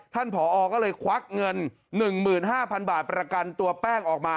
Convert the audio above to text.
ผอก็เลยควักเงิน๑๕๐๐๐บาทประกันตัวแป้งออกมา